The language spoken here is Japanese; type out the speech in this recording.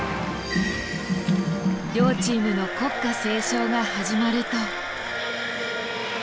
両チームの国歌斉唱が始まると。